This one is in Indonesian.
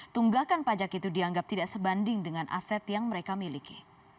tunggakan pajak itu dianggap tidak sebanding dengan aset yang mereka miliki